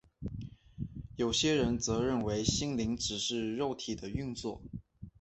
有些人则认为心灵只是肉体的运作。